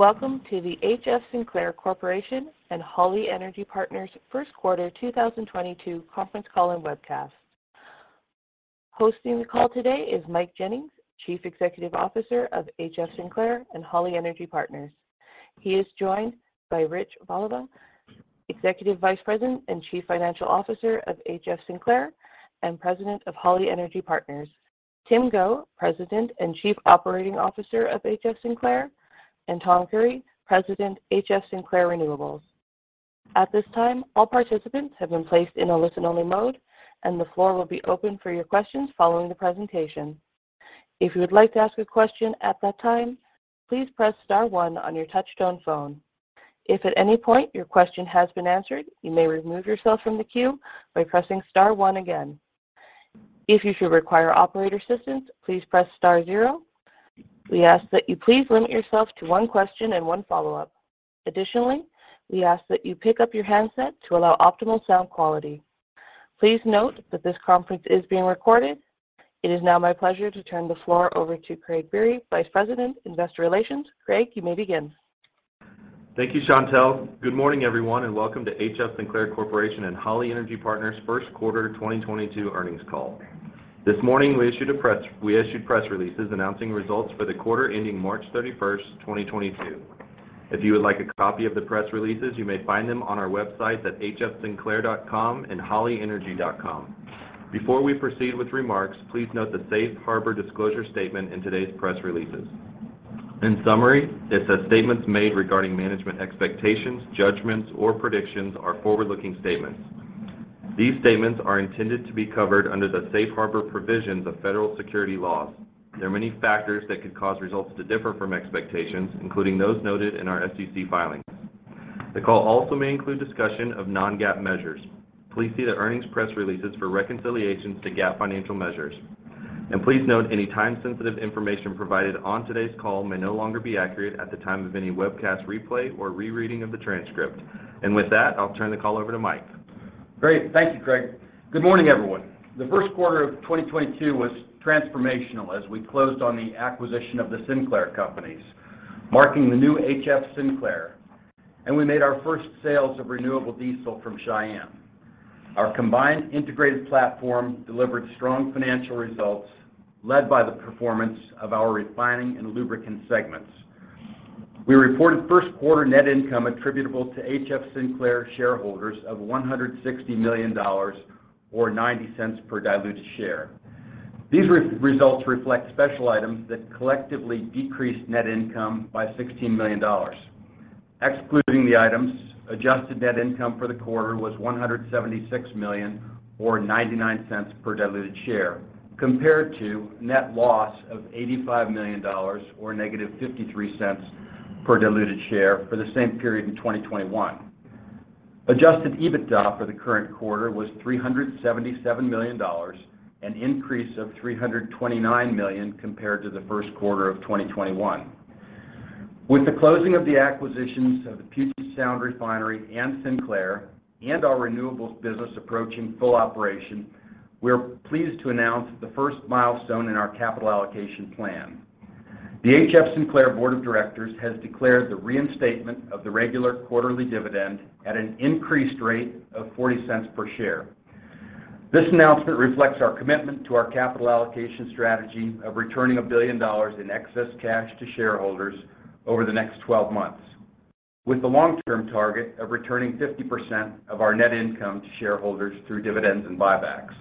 Welcome to the HF Sinclair Corporation and Holly Energy Partners first quarter 2022 conference call and webcast. Hosting the call today is Mike Jennings, Chief Executive Officer of HF Sinclair and Holly Energy Partners. He is joined by Richard Voliva, Executive Vice President and Chief Financial Officer of HF Sinclair and President of Holly Energy Partners. Tim Go, President and Chief Operating Officer of HF Sinclair, and Tom Creery, President, HF Sinclair Renewables. At this time, all participants have been placed in a listen-only mode, and the floor will be open for your questions following the presentation. If you would like to ask a question at that time, please press star one on your touch-tone phone. If at any point your question has been answered, you may remove yourself from the queue by pressing star one again. If you should require operator assistance, please press star zero. We ask that you please limit yourself to one question and one follow-up. Additionally, we ask that you pick up your handset to allow optimal sound quality. Please note that this conference is being recorded. It is now my pleasure to turn the floor over to Craig Biery, Vice President, Investor Relations. Craig, you may begin. Thank you, Chantelle. Good morning, everyone, and welcome to HF Sinclair Corporation and Holly Energy Partners' first quarter 2022 earnings call. This morning, we issued press releases announcing results for the quarter ending March 31, 2022. If you would like a copy of the press releases, you may find them on our website at hfsinclair.com and hollyenergy.com. Before we proceed with remarks, please note the safe harbor disclosure statement in today's press releases. In summary, it says statements made regarding management expectations, judgments, or predictions are forward-looking statements. These statements are intended to be covered under the safe harbor provisions of federal security laws. There are many factors that could cause results to differ from expectations, including those noted in our SEC filings. The call also may include discussion of non-GAAP measures. Please see the earnings press releases for reconciliations to GAAP financial measures. Please note any time-sensitive information provided on today's call may no longer be accurate at the time of any webcast replay or rereading of the transcript. With that, I'll turn the call over to Mike. Great. Thank you, Craig. Good morning, everyone. The first quarter of 2022 was transformational as we closed on the acquisition of the Sinclair companies, marking the new HF Sinclair, and we made our first sales of renewable diesel from Cheyenne. Our combined integrated platform delivered strong financial results led by the performance of our refining and lubricant segments. We reported first quarter net income attributable to HF Sinclair shareholders of $160 million or $0.90 per diluted share. These results reflect special items that collectively decreased net income by $16 million. Excluding the items, adjusted net income for the quarter was $176 million or $0.99 per diluted share compared to net loss of $85 million or -$0.53 per diluted share for the same period in 2021. Adjusted EBITDA for the current quarter was $377 million, an increase of $329 million compared to the first quarter of 2021. With the closing of the acquisitions of the Puget Sound Refinery and Sinclair and our renewables business approaching full operation, we're pleased to announce the first milestone in our capital allocation plan. The HF Sinclair Board of Directors has declared the reinstatement of the regular quarterly dividend at an increased rate of $0.40 per share. This announcement reflects our commitment to our capital allocation strategy of returning $1 billion in excess cash to shareholders over the next 12 months, with the long-term target of returning 50% of our net income to shareholders through dividends and buybacks.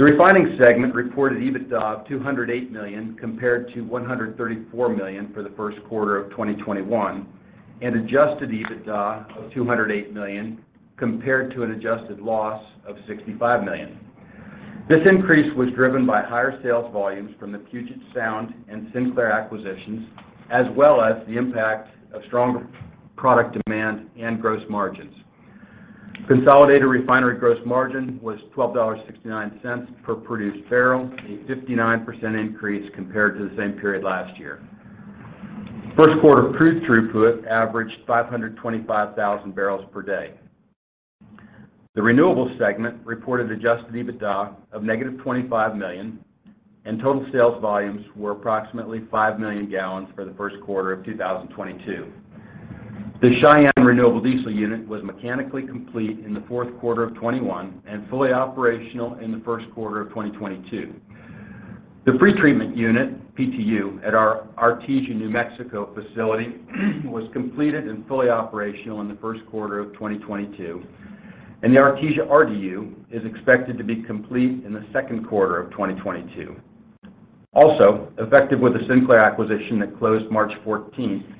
The refining segment reported EBITDA of $208 million compared to $134 million for the first quarter of 2021 and adjusted EBITDA of $208 million compared to an adjusted loss of $65 million. This increase was driven by higher sales volumes from the Puget Sound and Sinclair acquisitions, as well as the impact of stronger product demand and gross margins. Consolidated refinery gross margin was $12.69 per produced barrel, a 59% increase compared to the same period last year. First quarter crude throughput averaged 525,000 bpd. The renewables segment reported adjusted EBITDA of -$25 million, and total sales volumes were approximately 5 million gallons for the first quarter of 2022. The Cheyenne Renewable Diesel unit was mechanically complete in the fourth quarter of 2021 and fully operational in the first quarter of 2022. The Pretreatment Unit, PTU, at our Artesia, New Mexico, facility was completed and fully operational in the first quarter of 2022, and the Artesia RDU is expected to be complete in the second quarter of 2022. Also, effective with the Sinclair acquisition that closed March 14,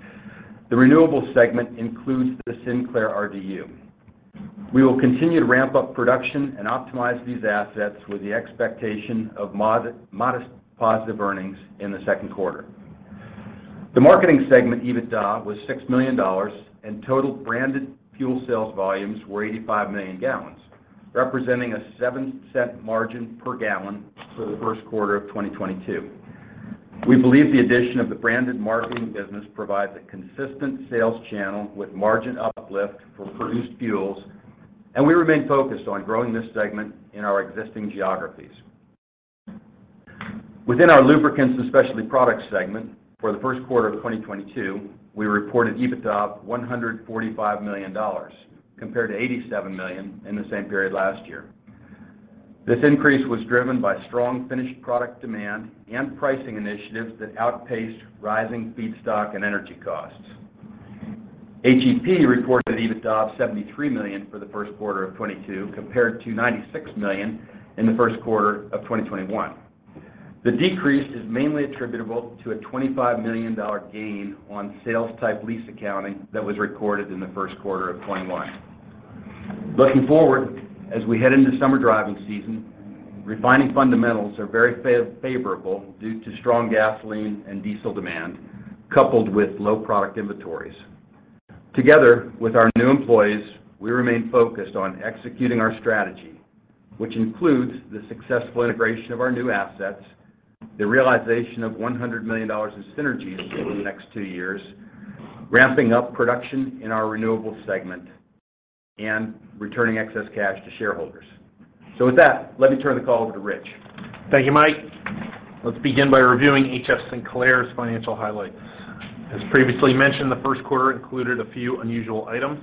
the renewables segment includes the Sinclair RDU. We will continue to ramp up production and optimize these assets with the expectation of modest positive earnings in the second quarter. The marketing segment EBITDA was $6 million, and total branded fuel sales volumes were 85 million gallons, representing a $0.07 margin per gallon for the first quarter of 2022. We believe the addition of the branded marketing business provides a consistent sales channel with margin uplift for produced fuels, and we remain focused on growing this segment in our existing geographies. Within our Lubricants and Specialty Products segment for the first quarter of 2022, we reported EBITDA of $145 million compared to $87 million in the same period last year. This increase was driven by strong finished product demand and pricing initiatives that outpaced rising feedstock and energy costs. HEP reported EBITDA of $73 million for the first quarter of 2022 compared to $96 million in the first quarter of 2021. The decrease is mainly attributable to a $25 million gain on sales type lease accounting that was recorded in the first quarter of 2021. Looking forward, as we head into summer driving season, refining fundamentals are very favorable due to strong gasoline and diesel demand, coupled with low product inventories. Together with our new employees, we remain focused on executing our strategy, which includes the successful integration of our new assets, the realization of $100 million in synergies over the next two years, ramping up production in our renewables segment, and returning excess cash to shareholders. With that, let me turn the call over to Rich. Thank you, Mike. Let's begin by reviewing HF Sinclair's financial highlights. As previously mentioned, the first quarter included a few unusual items.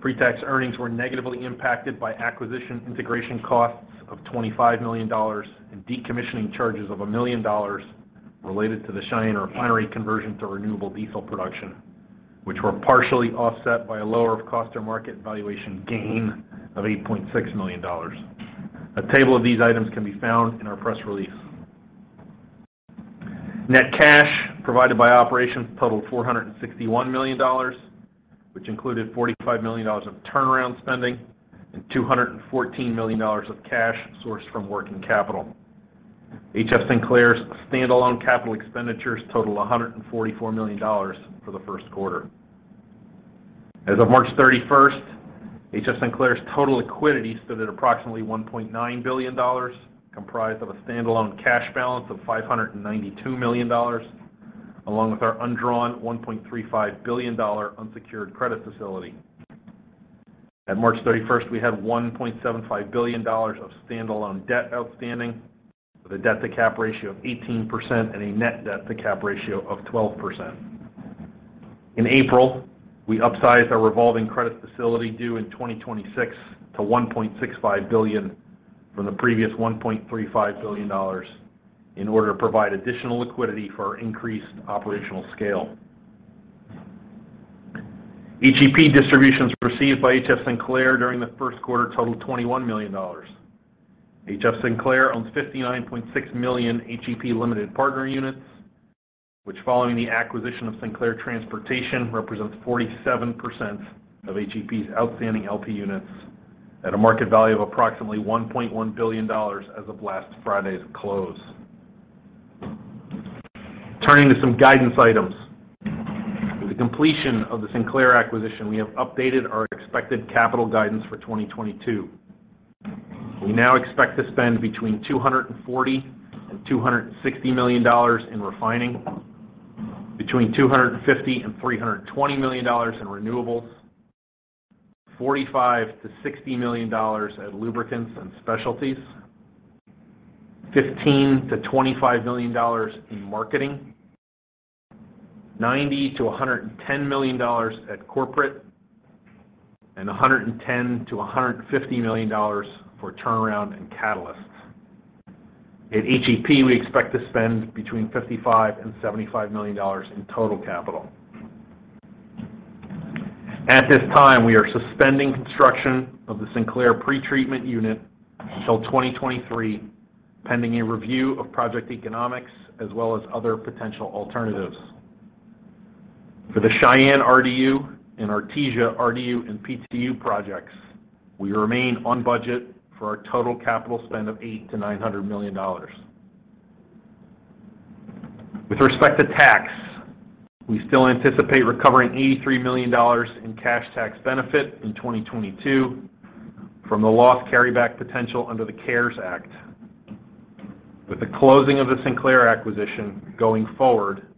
Pre-tax earnings were negatively impacted by acquisition integration costs of $25 million and decommissioning charges of $1 million related to the Cheyenne Refinery conversion to renewable diesel production, which were partially offset by a lower of cost or market valuation gain of $8.6 million. A table of these items can be found in our press release. Net cash provided by operations totaled $461 million, which included $45 million of turnaround spending and $214 million of cash sourced from working capital. HF Sinclair's standalone capital expenditures totaled $144 million for the first quarter. As of March 31st, HF Sinclair's total liquidity stood at approximately $1.9 billion, comprised of a standalone cash balance of $592 million, along with our undrawn $1.35 billion unsecured credit facility. At March 31st, we had $1.75 billion of standalone debt outstanding with a debt-to-cap ratio of 18% and a net debt-to-cap ratio of 12%. In April, we upsized our revolving credit facility due in 2026 to $1.65 billion from the previous $1.35 billion in order to provide additional liquidity for our increased operational scale. HEP distributions received by HF Sinclair during the first quarter totaled $21 million. HF Sinclair owns 59.6 million HEP limited partner units, which following the acquisition of Sinclair Transportation, represents 47% of HEP's outstanding LP units at a market value of approximately $1.1 billion as of last Friday's close. Turning to some guidance items. With the completion of the Sinclair acquisition, we have updated our expected capital guidance for 2022. We now expect to spend between $240 million and $260 million in Refining, between $250 million and $320 million in Renewables, $45 million to $60 million at Lubricants and Specialties, $15 million to $25 million in Marketing, $90 million to $110 million at Corporate, and $110 million to $150 million for Turnaround and Catalyst. At HEP, we expect to spend between $55-$75 million in total capital. At this time, we are suspending construction of the Sinclair pretreatment unit until 2023, pending a review of project economics as well as other potential alternatives. For the Cheyenne RDU and Artesia RDU and PTU projects, we remain on budget for our total capital spend of $800-$900 million. With respect to tax, we still anticipate recovering $83 million in cash tax benefit in 2022 from the lost carryback potential under the CARES Act. With the closing of the Sinclair acquisition going forward,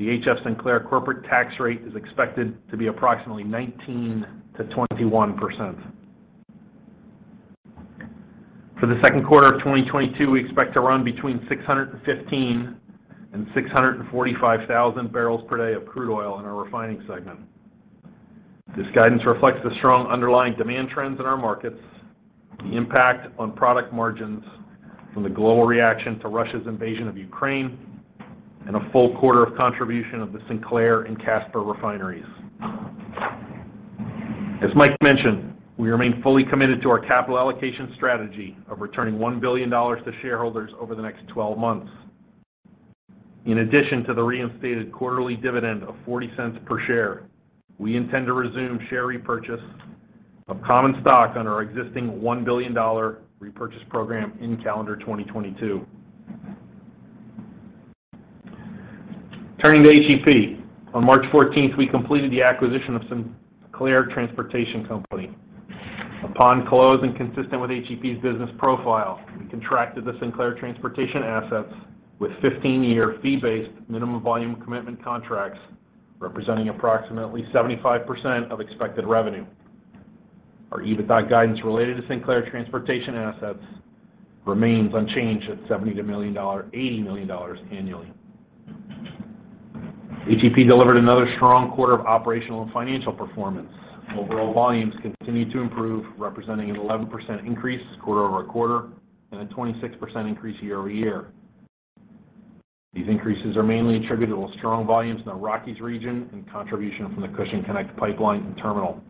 the HF Sinclair corporate tax rate is expected to be approximately 19%-21%. For the second quarter of 2022, we expect to run between 615,000 and 645,000 bpd of crude oil in our refining segment. This guidance reflects the strong underlying demand trends in our markets, the impact on product margins from the global reaction to Russia's invasion of Ukraine, and a full quarter of contribution of the Sinclair and Casper refineries. As Mike mentioned, we remain fully committed to our capital allocation strategy of returning $1 billion to shareholders over the next 12 months. In addition to the reinstated quarterly dividend of $0.40 per share, we intend to resume share repurchase of common stock under our existing $1 billion repurchase program in calendar 2022. Turning to HEP. On March 14th, we completed the acquisition of Sinclair Transportation Company. Upon close and consistent with HEP's business profile, we contracted the Sinclair Transportation assets with 15-year fee-based minimum volume commitment contracts representing approximately 75% of expected revenue. Our EBITDA guidance related to Sinclair Transportation assets remains unchanged at $70 million-$80 million annually. HEP delivered another strong quarter of operational and financial performance. Overall volumes continued to improve, representing an 11% increase quarter-over-quarter and a 26% increase year-over-year. These increases are mainly attributed to strong volumes in the Rockies region and contribution from the Cushing Connect pipeline and terminal.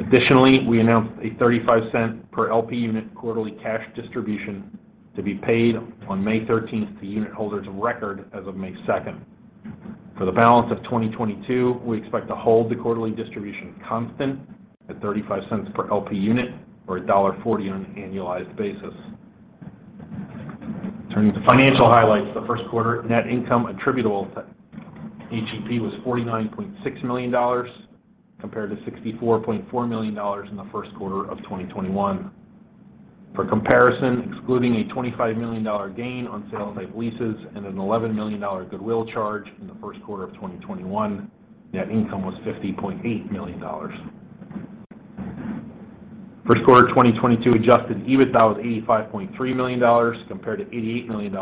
Additionally, we announced a $0.35 per LP unit quarterly cash distribution to be paid on May 13th to unit holders of record as of May 2nd. For the balance of 2022, we expect to hold the quarterly distribution constant at $0.35 per LP unit or $1.40 on an annualized basis. Turning to financial highlights. The first quarter net income attributable to HEP was $49.6 million compared to $64.4 million in the first quarter of 2021. For comparison, excluding a $25 million gain on sales-type leases and an $11 million goodwill charge in the first quarter of 2021, net income was $50.8 million. For Q1 2022, adjusted EBITDA was $85.3 million compared to $88 million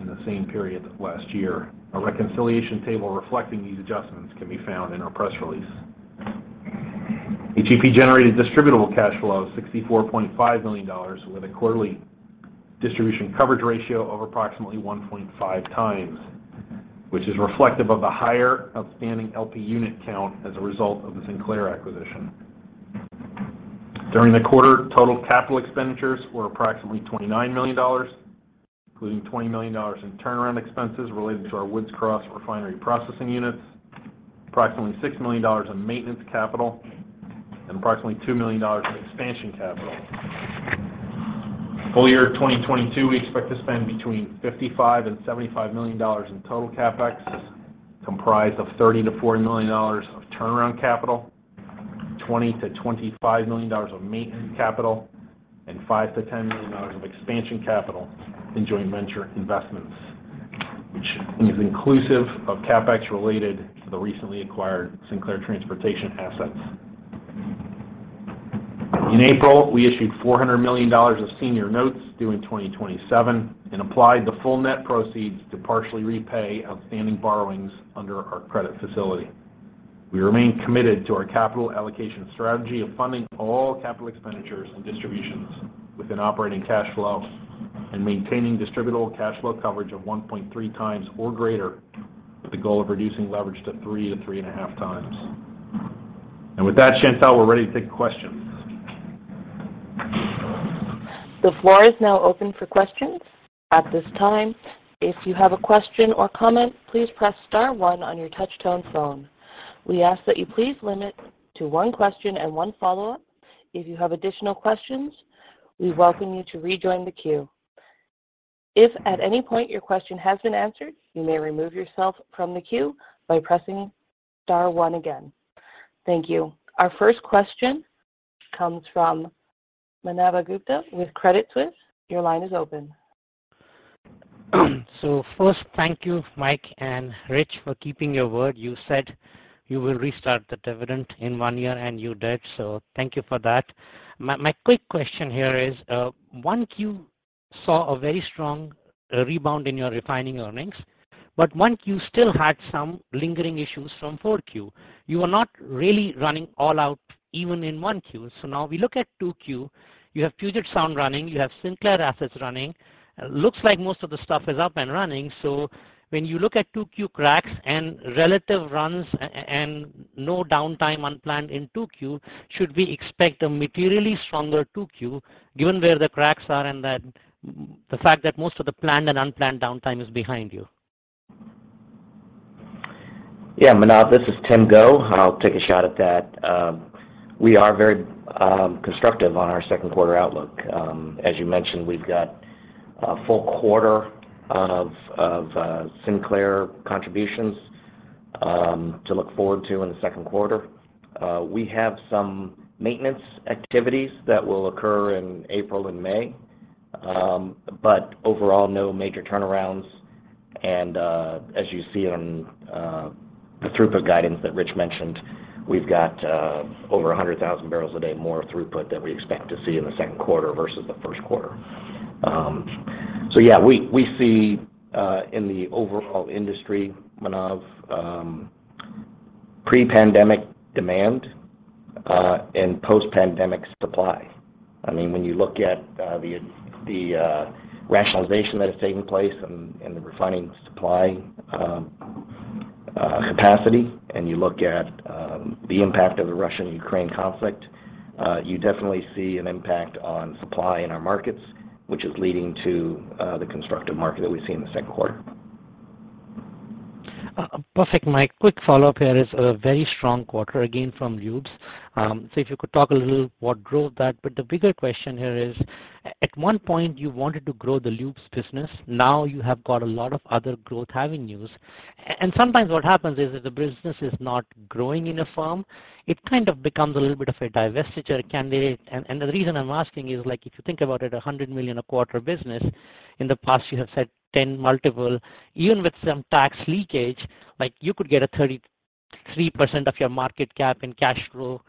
in the same period last year. A reconciliation table reflecting these adjustments can be found in our press release. HEP generated distributable cash flow of $64.5 million, with a quarterly distribution coverage ratio of approximately 1.5x, which is reflective of the higher outstanding LP unit count as a result of the Sinclair acquisition. During the quarter, total capital expenditures were approximately $29 million, including $20 million in turnaround expenses related to our Woods Cross refinery processing units, approximately $6 million in maintenance capital, and approximately $2 million in expansion capital. Full year 2022, we expect to spend between $55 million-$75 million in total CapEx, comprised of $30 million-$40 million of turnaround capital, $20 million-$25 million of maintenance capital, and $5 million-$10 million of expansion capital in joint venture investments, which is inclusive of CapEx related to the recently acquired Sinclair Transportation assets. In April, we issued $400 million of senior notes due in 2027 and applied the full net proceeds to partially repay outstanding borrowings under our credit facility. We remain committed to our capital allocation strategy of funding all capital expenditures and distributions with operating cash flow and maintaining distributable cash flow coverage of 1.3x or greater, with the goal of reducing leverage to 3x-3.5x. With that, Chantelle, we're ready to take questions. The floor is now open for questions. At this time, if you have a question or comment, please press star one on your touch-tone phone. We ask that you please limit to one question and one follow-up. If you have additional questions, we welcome you to rejoin the queue. If at any point your question has been answered, you may remove yourself from the queue by pressing star one again. Thank you. Our first question comes from Manav Gupta with Credit Suisse. Your line is open. First, thank you, Mike and Rich, for keeping your word. You said you will restart the dividend in one year, and you did. Thank you for that. My quick question here is, 1Q saw a very strong rebound in your refining earnings, but 1Q still had some lingering issues from 4Q. You are not really running all out even in 1Q. Now we look at 2Q, you have Puget Sound running, you have Sinclair assets running. Looks like most of the stuff is up and running. When you look at 2Q cracks and relative runs and no downtime unplanned in 2Q, should we expect a materially stronger 2Q given where the cracks are and the fact that most of the planned and unplanned downtime is behind you? Yeah. Manav, this is Tim Go. I'll take a shot at that. We are very constructive on our second quarter outlook. As you mentioned, we've got a full quarter of Sinclair contributions to look forward to in the second quarter. We have some maintenance activities that will occur in April and May, but overall, no major turnarounds. As you see on the throughput guidance that Rich mentioned, we've got over 100,000 bpd more throughput that we expect to see in the second quarter versus the first quarter. Yeah, we see in the overall industry, Manav, pre-pandemic demand and post-pandemic supply. I mean, when you look at the rationalization that has taken place in the refining supply capacity and you look at the impact of the Russia-Ukraine conflict, you definitely see an impact on supply in our markets, which is leading to the constructive market that we see in the second quarter. Perfect. My quick follow-up here is a very strong quarter again from Lubes. If you could talk a little what drove that. The bigger question here is, at one point, you wanted to grow the Lubes business. Now you have got a lot of other growth avenues. Sometimes what happens is, if the business is not growing in a firm, it kind of becomes a little bit of a divestiture candidate. The reason I'm asking is, like, if you think about it, a $100 million a quarter business, in the past you have said 10x multiple. Even with some tax leakage, like you could get a thirty 3% of your market cap in cash flow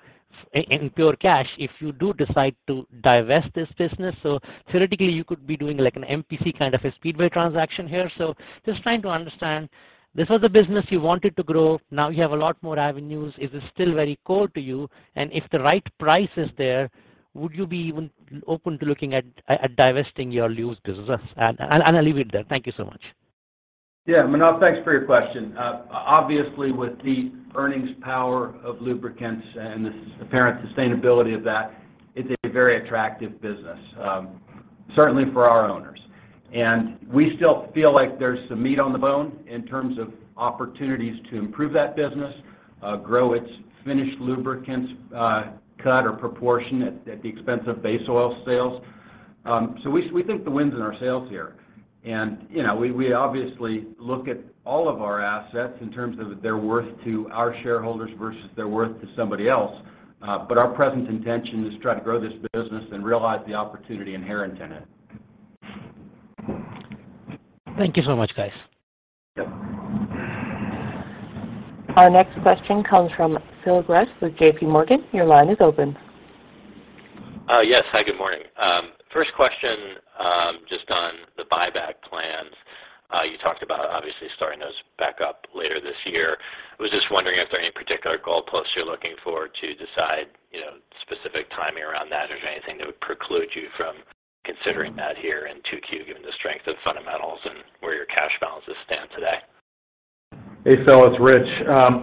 in pure cash if you do decide to divest this business. Theoretically, you could be doing like an MPC kind of a Speedway transaction here. Just trying to understand, this was a business you wanted to grow. Now you have a lot more avenues. Is this still very core to you? And if the right price is there, would you be even open to looking at divesting your Lube business? And I'll leave it there. Thank you so much. Yeah, Manav, thanks for your question. Obviously, with the earnings power of lubricants and the apparent sustainability of that, it's a very attractive business, certainly for our owners. We still feel like there's some meat on the bone in terms of opportunities to improve that business, grow its finished lubricants, cut our proportion, at the expense of base-oil sales. We think the wind's in our sails here. You know, we obviously look at all of our assets in terms of their worth to our shareholders versus their worth to somebody else. Our present intention is to try to grow this business and realize the opportunity inherent in it. Thank you so much, guys. Yeah. Our next question comes from Phil Gresh with JPMorgan. Your line is open. Yes. Hi, good morning. First question, just on the buyback plans. You talked about obviously starting those back up later this year. Was just wondering if there are any particular goalposts you're looking for to decide, you know, specific timing around that or if there anything that would preclude you from considering that here in 2Q, given the strength of fundamentals and where your cash balances stand today. Hey, Phil, it's Rich.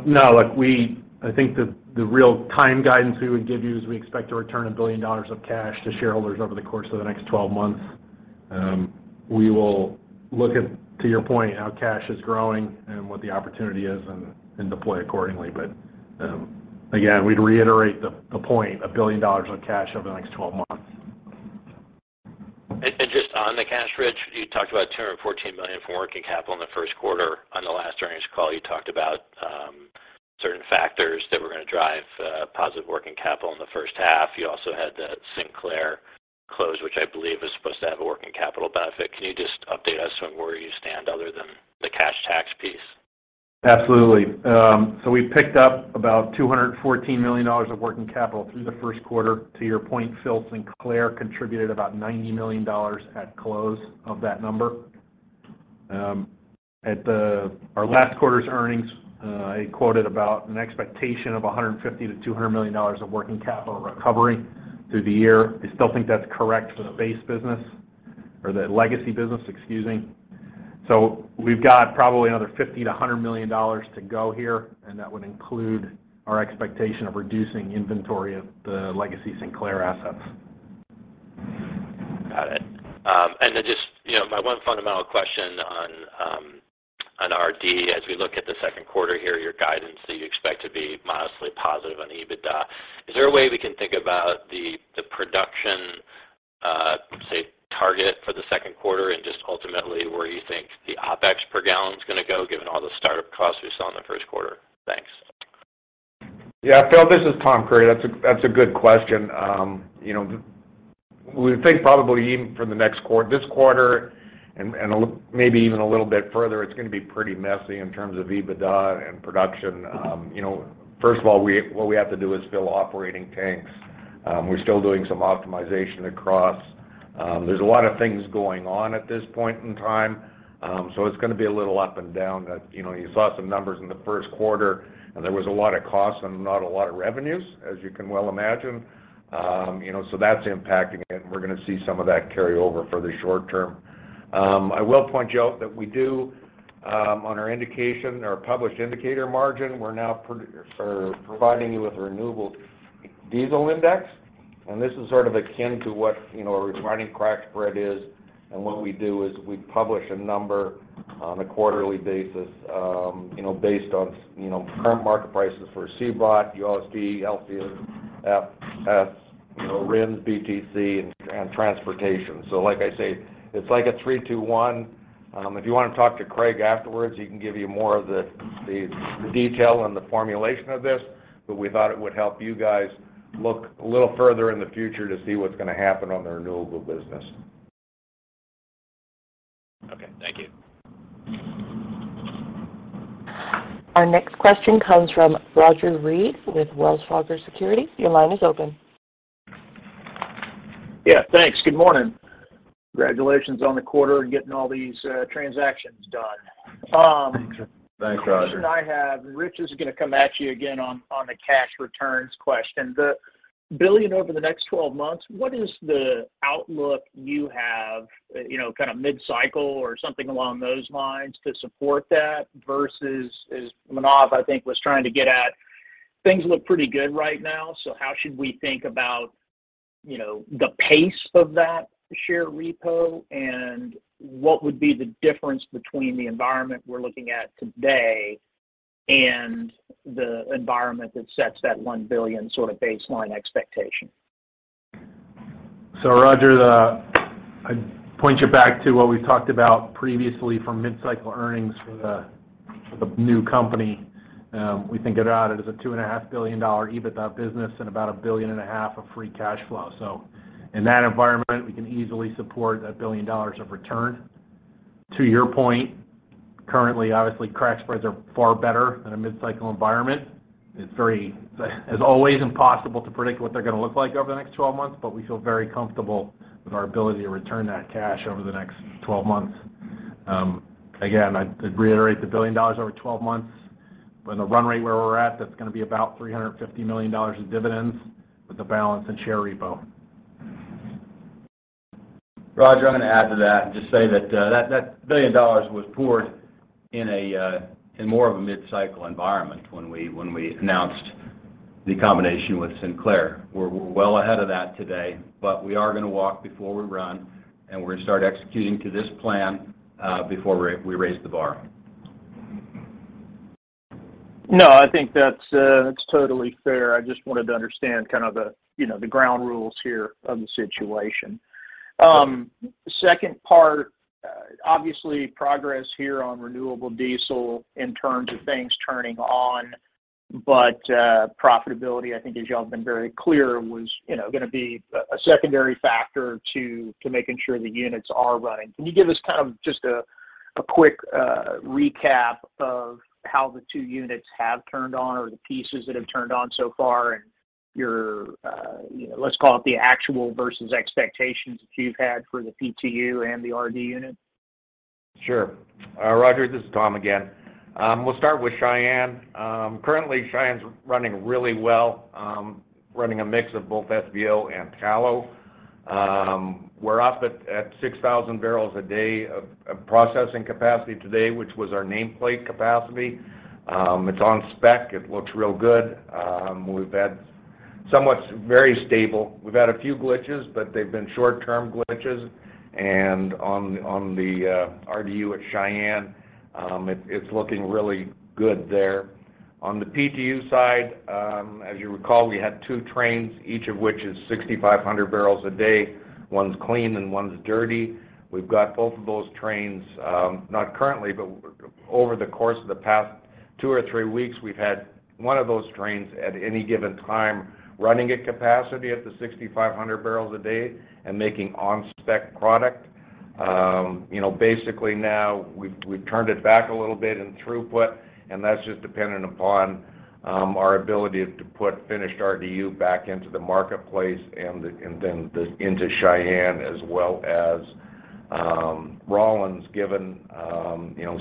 No. Look, we—I think the real time guidance we would give you is we expect to return $1 billion of cash to shareholders over the course of the next 12 months. We will look at, to your point, how cash is growing and what the opportunity is and deploy accordingly. Again, we'd reiterate the point, $1 billion of cash over the next 12 months. Just on the cash, Rich, you talked about $214 million from working capital in the first quarter. On the last earnings call, you talked about certain factors that were gonna drive positive working capital in the first half. You also had the Sinclair close, which I believe is supposed to have a working capital benefit. Can you just update us on where you stand other than the cash tax piece? Absolutely. We picked up about $214 million of working capital through the first quarter. To your point, Phil, Sinclair contributed about $90 million at close of that number. At our last quarter's earnings, I quoted about an expectation of $150 million-$200 million of working capital recovery through the year. I still think that's correct for the base business or the legacy business, excluding. We've got probably another $50 million-$100 million to go here, and that would include our expectation of reducing inventory of the legacy Sinclair assets. Got it. Just, you know, my one fundamental question on RD. As we look at the second quarter here, your guidance that you expect to be modestly positive on EBITDA, is there a way we can think about the production target for the second quarter and just ultimately where you think the OpEx per gallon is gonna go given all the start-up costs we saw in the first quarter? Thanks. Yeah. Phil, this is Tom Creery. That's a good question. You know, we think probably even for this quarter and maybe even a little bit further, it's gonna be pretty messy in terms of EBITDA and production. You know, first of all, what we have to do is fill operating tanks. We're still doing some optimization across. There's a lot of things going on at this point in time, so it's gonna be a little up and down. You know, you saw some numbers in the first quarter, and there was a lot of costs and not a lot of revenues, as you can well imagine. You know, so that's impacting it, and we're gonna see some of that carry over for the short term. I will point out to you that we do, on our indication or published indicator margin, we're now providing you with a renewable diesel index, and this is sort of akin to what, you know, a refining crack spread is. What we do is we publish a number on a quarterly basis, you know, based on, you know, current market prices for CBOT, USBE, LCFS, RFS, you know, RINs, BTC, and transportation. Like I say, it's like a 3-2-1. If you wanna talk to Craig afterwards, he can give you more of the detail and the formulation of this. We thought it would help you guys look a little further in the future to see what's gonna happen on the renewable business. Okay. Thank you. Our next question comes from Roger Read with Wells Fargo Securities. Your line is open. Yeah. Thanks. Good morning. Congratulations on the quarter and getting all these transactions done. Thanks, Roger. The question I have, Rich, is gonna come at you again on the cash returns question. The $1 billion over the next 12 months, what is the outlook you have, you know, kind of mid-cycle or something along those lines to support that versus, as Manav, I think, was trying to get at, things look pretty good right now. How should we think about, you know, the pace of that share repo, and what would be the difference between the environment we're looking at today and the environment that sets that $1 billion sort of baseline expectation? Roger, I'd point you back to what we talked about previously for mid-cycle earnings for the new company. We think about it as a $2.5 billion EBITDA business and about $1.5 billion of free cash flow. In that environment, we can easily support that $1 billion of return. To your point, currently, obviously, crack spreads are far better in a mid-cycle environment. It's always impossible to predict what they're gonna look like over the next twelve months, but we feel very comfortable with our ability to return that cash over the next twelve months. Again, I'd reiterate the $1 billion over twelve months. When the run rate where we're at, that's gonna be about $350 million in dividends with the balance in share repo. Roger, I'm gonna add to that and just say that that $1 billion was poured in more of a mid-cycle environment when we announced the combination with Sinclair. We're well ahead of that today, but we are gonna walk before we run, and we're gonna start executing to this plan before we raise the bar. No, I think that's totally fair. I just wanted to understand kind of the, you know, the ground rules here of the situation. Second part, obviously progress here on renewable diesel in terms of things turning on, but profitability, I think as y'all have been very clear, was, you know, gonna be a secondary factor to making sure the units are running. Can you give us kind of just a quick recap of how the two units have turned on or the pieces that have turned on so far and your let's call it the actual versus expectations that you've had for the PTU and the RDU? Sure. Roger, this is Tom again. We'll start with Cheyenne. Currently, Cheyenne's running really well, running a mix of both SVO and tallow. We're up at 6,000 bpd of processing capacity today, which was our nameplate capacity. It's on spec. It looks real good. We've had somewhat very stable. We've had a few glitches, but they've been short-term glitches. On the RDU at Cheyenne, it's looking really good there. On the PTU side, as you recall, we had two trains, each of which is 6,500 bpd. One's clean and one's dirty. We've got both of those trains, not currently, but over the course of the past two or three weeks, we've had one of those trains at any given time running at capacity at the 6,500 bpd and making on-spec product. You know, basically now we've turned it back a little bit in throughput, and that's just dependent upon our ability to put finished RDU back into the marketplace and then into Cheyenne as well as Rawlins given you know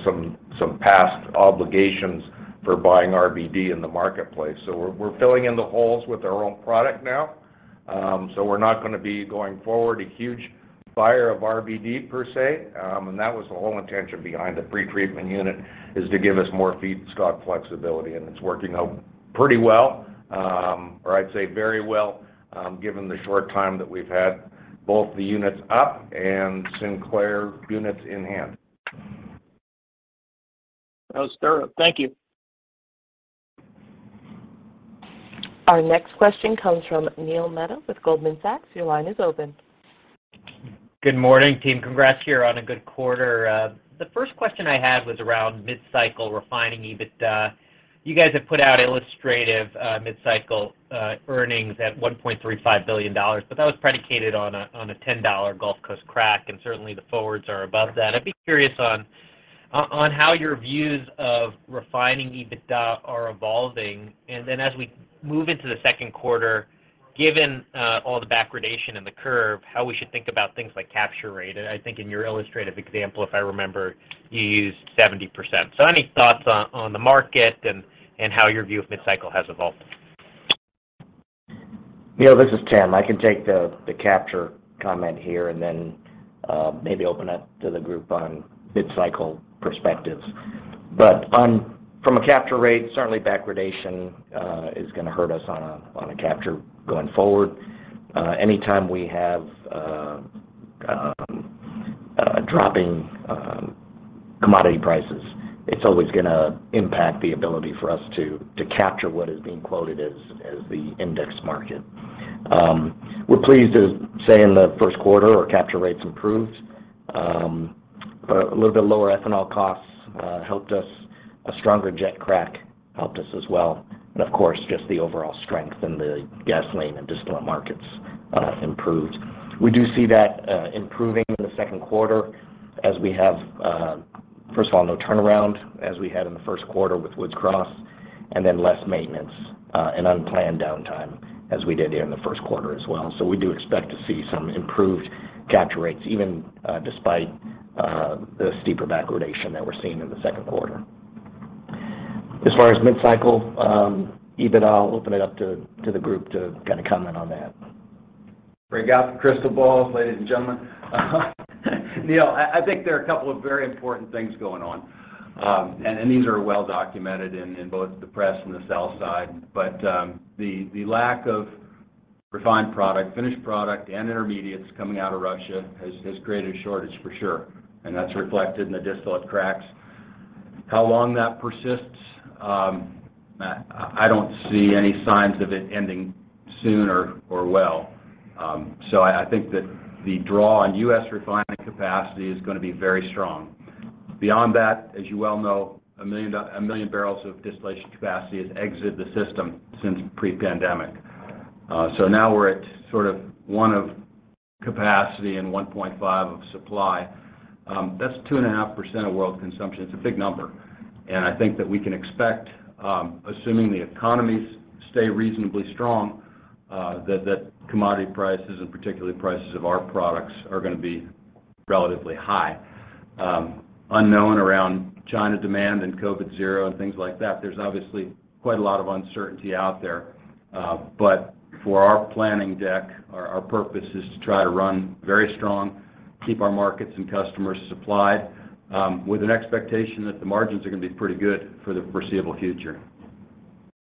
some past obligations for buying RBD in the marketplace. We're filling in the holes with our own product now. We're not gonna be going forward a huge buyer of RBD per se. That was the whole intention behind the pretreatment unit, is to give us more feedstock flexibility, and it's working out pretty well, or I'd say very well, given the short time that we've had both the units up and Sinclair units in hand. That was thorough. Thank you. Our next question comes from Neil Mehta with Goldman Sachs. Your line is open. Good morning, team. Congrats, you're on a good quarter. The first question I had was around mid-cycle refining EBITDA. You guys have put out illustrative mid-cycle earnings at $1.35 billion, but that was predicated on a $10 Gulf Coast crack, and certainly, the forwards are above that. I'd be curious on how your views of refining EBITDA are evolving. Then as we move into the second quarter, given all the backwardation in the curve, how we should think about things like capture rate. I think in your illustrative example, if I remember, you used 70%. Any thoughts on the market and how your view of mid-cycle has evolved? Neil, this is Tim. I can take the capture comment here and then maybe open up to the group on mid-cycle perspectives. From a capture rate, certainly backwardation is gonna hurt us on a capture going forward. Anytime we have dropping commodity prices, it's always gonna impact the ability for us to capture what is being quoted as the index market. We're pleased to say in the first quarter, our capture rates improved. A little bit lower ethanol costs helped us. A stronger jet crack helped us as well. Of course, just the overall strength in the gasoline and distillate markets improved. We do see that improving in the second quarter as we have, first of all, no turnaround as we had in the first quarter with Woods Cross, and then less maintenance, and unplanned downtime as we did in the first quarter as well. We do expect to see some improved capture rates, even, despite, the steeper backwardation that we're seeing in the second quarter. As far as mid-cycle EBITDA, I'll open it up to the group to kind of comment on that. Break out the crystal balls, ladies and gentlemen. Neil, I think there are a couple of very important things going on. These are well documented in both the press and the sell side. The lack of refined product, finished product, and intermediates coming out of Russia has created a shortage for sure, and that's reflected in the distillate cracks. How long that persists, I don't see any signs of it ending soon or well. I think that the draw on U.S. refining capacity is gonna be very strong. Beyond that, as you well know, 1 million barrels of distillation capacity has exited the system since pre-pandemic. Now we're at sort of 1% of capacity and 1.5% of supply. That's 2.5% of world consumption. It's a big number. I think that we can expect, assuming the economies stay reasonably strong, that commodity prices and particularly prices of our products are gonna be relatively high. Uncertainty around China demand and COVID zero and things like that, there's obviously quite a lot of uncertainty out there. For our planning deck, our purpose is to try to run very strong, keep our markets and customers supplied, with an expectation that the margins are gonna be pretty good for the foreseeable future.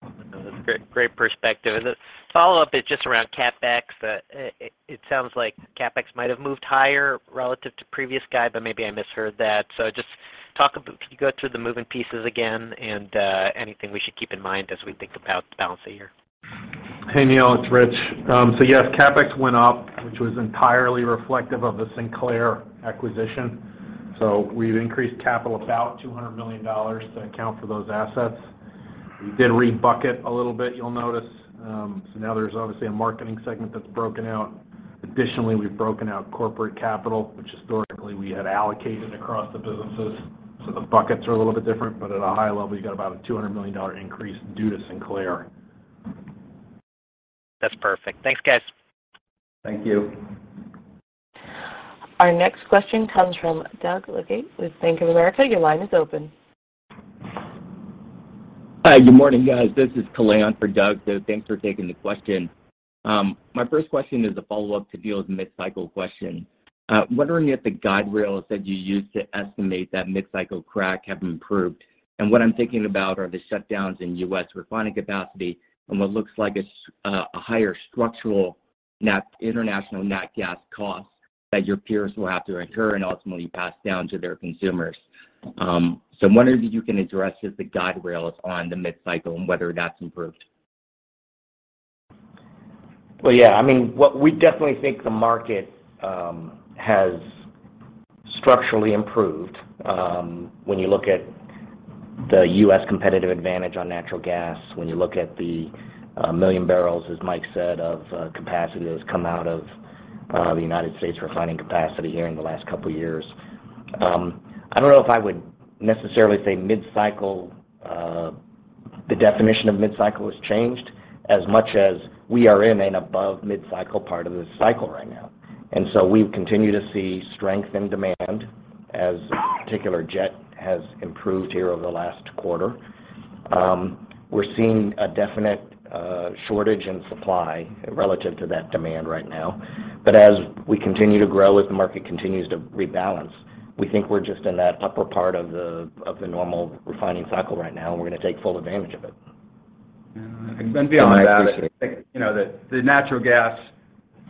That's great perspective. The follow-up is just around CapEx. It sounds like CapEx might have moved higher relative to previous guide, but maybe I misheard that. Could you go through the moving pieces again and anything we should keep in mind as we think about the balance of the year? Hey, Neil, it's Rich. Yes, CapEx went up, which was entirely reflective of the Sinclair acquisition. We've increased capital about $200 million to account for those assets. We did re-bucket a little bit, you'll notice. Now there's obviously a Marketing segment that's broken out. Additionally, we've broken out corporate capital, which historically we had allocated across the businesses. The buckets are a little bit different, but at a high level, you got about a $200 million increase due to Sinclair. That's perfect. Thanks, guys. Thank you. Our next question comes from Doug Leggate with Bank of America. Your line is open. Hi. Good morning, guys. This is Kalei in for Doug. Thanks for taking the question. My first question is a follow-up to Neil's mid-cycle question. Wondering if the guardrails that you used to estimate that mid-cycle crack have improved. What I'm thinking about are the shutdowns in U.S. refining capacity and what looks like a higher structural international natgas cost that your peers will have to incur and ultimately pass down to their consumers. I'm wondering if you can address just the guardrails on the mid-cycle and whether that's improved. Well, yeah, I mean, what we definitely think the market has structurally improved, when you look at the U.S. competitive advantage on natural gas, when you look at the 1 million barrels, as Mike said, of capacity that has come out of the United States refining capacity here in the last couple of years. I don't know if I would necessarily say mid-cycle. The definition of mid-cycle has changed as much as we are in an above mid-cycle part of this cycle right now. We continue to see strength in demand, especially jet has improved here over the last quarter. We're seeing a definite shortage in supply relative to that demand right now. As we continue to grow, as the market continues to rebalance, we think we're just in that upper part of the normal refining cycle right now, and we're gonna take full advantage of it. Beyond that. I appreciate that. You know, the natural gas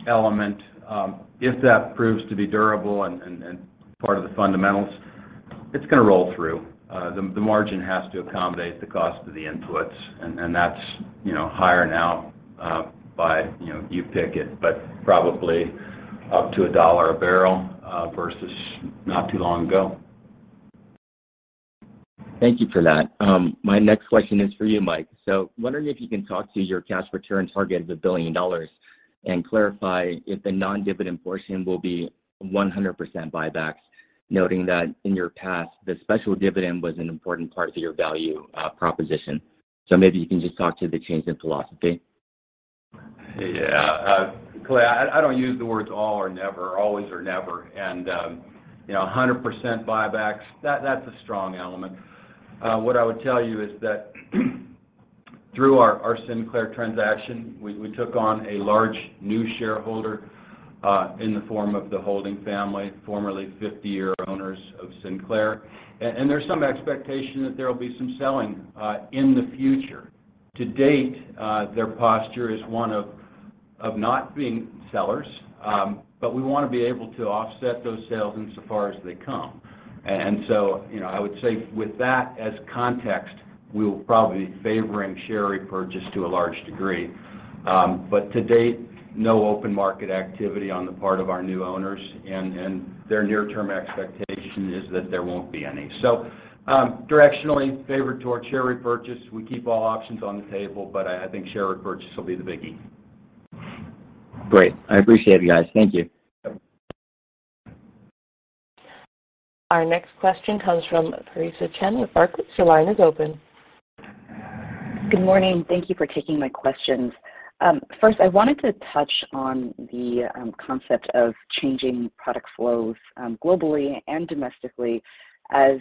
element, if that proves to be durable and part of the fundamentals, it's gonna roll through. The margin has to accommodate the cost of the inputs, and that's, you know, higher now, by, you know, you pick it, but probably up to $1 a barrel, versus not too long ago. Thank you for that. My next question is for you, Mike. Wondering if you can talk to your cash return target of $1 billion and clarify if the non-dividend portion will be 100% buybacks, noting that in your past, the special dividend was an important part of your value proposition. Maybe you can just talk to the change in philosophy. Yeah. Kalei, I don't use the words all or never, always or never. You know, 100% buybacks, that's a strong element. What I would tell you is that through our Sinclair transaction, we took on a large new shareholder in the form of the Holding family, formerly 50-year owners of Sinclair. There's some expectation that there will be some selling in the future. To date, their posture is one of not being sellers, but we wanna be able to offset those sales insofar as they come. You know, I would say with that as context, we will probably be favoring share repurchase to a large degree. To date, no open market activity on the part of our new owners, and their near-term expectation is that there won't be any. Directionally favored toward share repurchase. We keep all options on the table, but I think share repurchase will be the biggie. Great. I appreciate it, you guys. Thank you. Our next question comes from Theresa Chen with Barclays. Your line is open. Good morning. Thank you for taking my questions. First, I wanted to touch on the concept of changing product flows globally and domestically as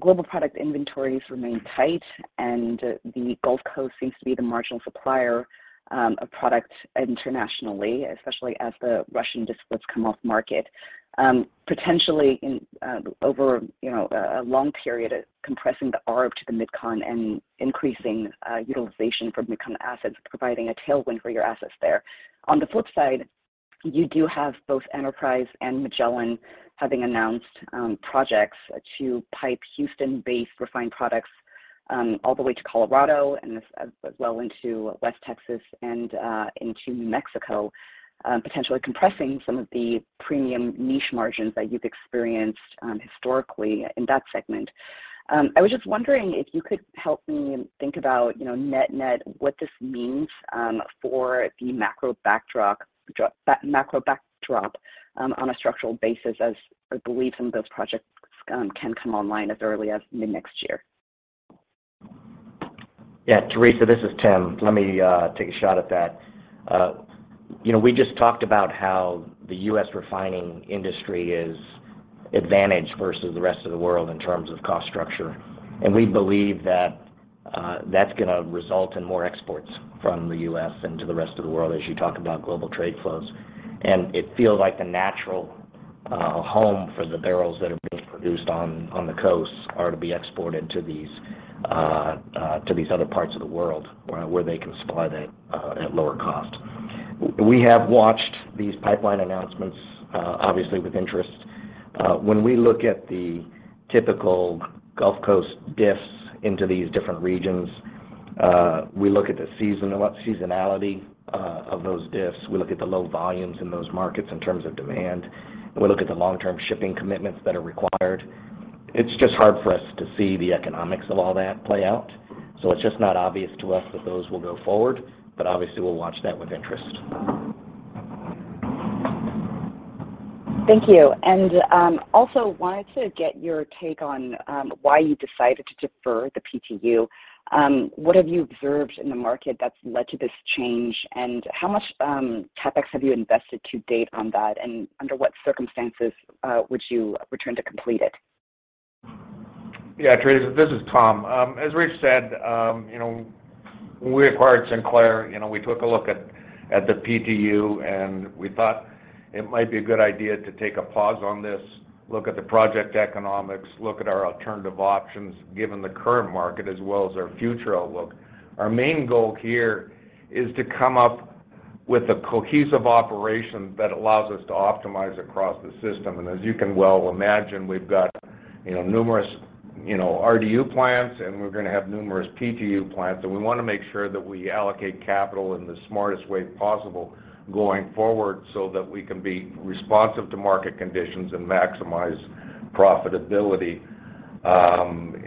global product inventories remain tight and the Gulf Coast seems to be the marginal supplier of product internationally, especially as the Russian distillates come off market. Potentially over, you know, a long period of compressing the arb to the MidCon and increasing utilization from MidCon assets, providing a tailwind for your assets there. On the flip side, you do have both Enterprise and Magellan having announced projects to pipe Houston-based refined products all the way to Colorado and as well into West Texas and into New Mexico. Potentially compressing some of the premium niche margins that you've experienced historically in that segment. I was just wondering if you could help me and think about, you know, net-net, what this means for the macro backdrop on a structural basis as I believe some of those projects can come online as early as mid-next year. Yeah, Teresa, this is Tim Go. Let me take a shot at that. You know, we just talked about how the U.S. refining industry is advantaged versus the rest of the world in terms of cost structure. We believe that that's gonna result in more exports from the U.S. into the rest of the world as you talk about global trade flows. It feels like the natural home for the barrels that are being produced on the coasts are to be exported to these other parts of the world where they can supply that at lower cost. We have watched these pipeline announcements obviously with interest. When we look at the typical Gulf Coast diffs into these different regions, we look at the seasonality of those diffs. We look at the low volumes in those markets in terms of demand, and we look at the long-term shipping commitments that are required. It's just hard for us to see the economics of all that play out. It's just not obvious to us that those will go forward, but obviously, we'll watch that with interest. Thank you. Also wanted to get your take on why you decided to defer the PTU. What have you observed in the market that's led to this change, and how much CapEx have you invested to date on that, and under what circumstances would you return to complete it? Yeah, Teresa, this is Tom. As Rich said, you know, when we acquired Sinclair, you know, we took a look at the PTU, and we thought it might be a good idea to take a pause on this, look at the project economics, look at our alternative options, given the current market as well as our future outlook. Our main goal here is to come up with a cohesive operation that allows us to optimize across the system. As you can well imagine, we've got, you know, numerous, you know, RDU plants and we're gonna have numerous PTU plants, and we wanna make sure that we allocate capital in the smartest way possible going forward so that we can be responsive to market conditions and maximize profitability.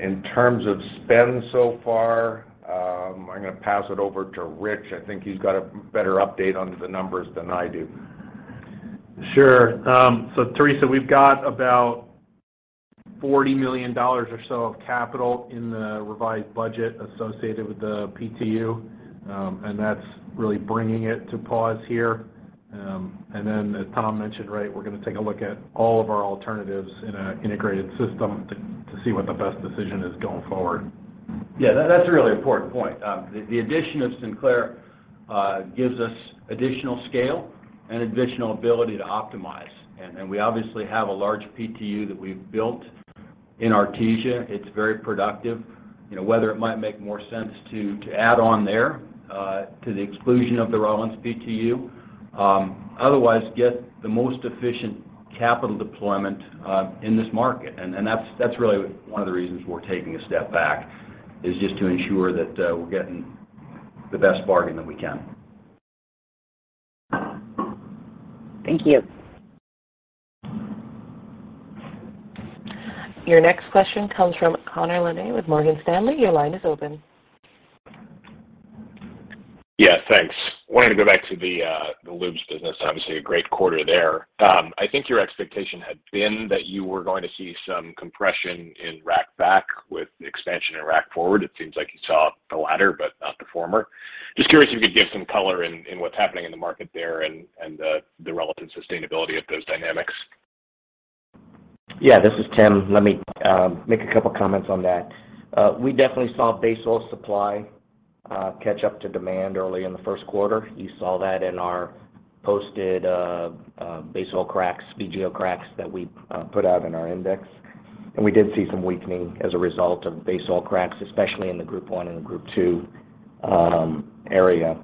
In terms of spend so far, I'm gonna pass it over to Rich. I think he's got a better update on the numbers than I do. Sure. Teresa, we've got about $40 million or so of capital in the revised budget associated with the PTU, and that's really bringing it to pause here. And then as Tom mentioned, right, we're gonna take a look at all of our alternatives in an integrated system to see what the best decision is going forward. Yeah, that's a really important point. The addition of Sinclair gives us additional scale and additional ability to optimize. We obviously have a large PTU that we've built in Artesia. It's very productive. Whether it might make more sense to add on there to the exclusion of the Rawlins PTU otherwise get the most efficient capital deployment in this market. That's really one of the reasons we're taking a step back is just to ensure that we're getting the best bargain that we can. Thank you. Your next question comes from Connor Lynagh with Morgan Stanley. Your line is open. Yeah, thanks. Wanted to go back to the lubes business. Obviously a great quarter there. I think your expectation had been that you were going to see some compression in Rack Back with expansion in Rack Forward. It seems like you saw the latter but not the former. Just curious if you could give some color in what's happening in the market there and the relevant sustainability of those dynamics. Yeah, this is Tim. Let me make a couple comments on that. We definitely saw base-oil supply catch up to demand early in the first quarter. You saw that in our posted base-oil cracks, VGO cracks that we put out in our index. We did see some weakening as a result of base-oil cracks, especially in the Group I and Group II area.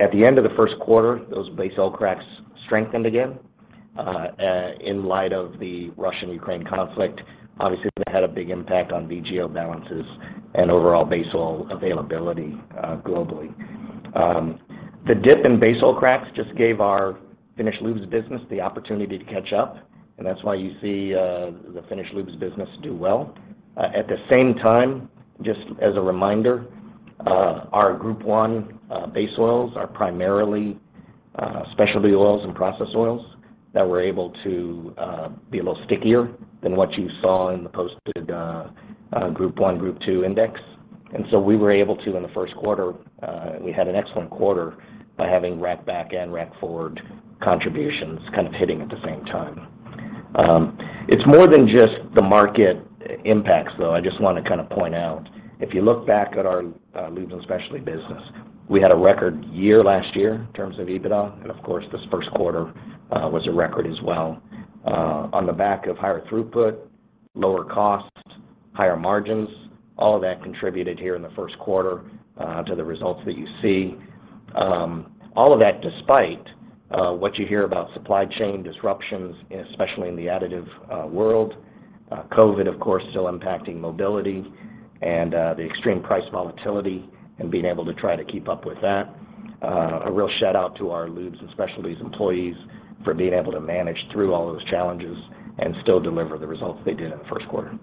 At the end of the first quarter, those base-oil cracks strengthened again in light of the Russia-Ukraine conflict. Obviously, that had a big impact on VGO balances and overall base oil availability globally. The dip in base-oil cracks just gave our finished lubes business the opportunity to catch up, and that's why you see the finished Lubes business do well. At the same time, just as a reminder, our Group I base oils are primarily specialty oils and process oils that were able to be a little stickier than what you saw in the posted Group I, Group II index. We were able to, in the first quarter, we had an excellent quarter by having Rack Back and Rack Forward contributions kind of hitting at the same time. It's more than just the market impacts, though. I just wanna kind of point out, if you look back at our Lubes and Specialty business, we had a record year last year in terms of EBITDA, and of course, this first quarter was a record as well. On the back of higher throughput, lower costs, higher margins, all of that contributed here in the first quarter to the results that you see. All of that despite what you hear about supply chain disruptions, especially in the additive world. COVID, of course, still impacting mobility and the extreme price volatility and being able to try to keep up with that. A real shout-out to our Lubes and Specialties employees for being able to manage through all those challenges and still deliver the results they did in the first quarter.